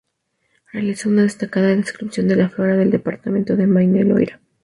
Realizó una destacada descripción de la flora del Departamento de Maine y Loira.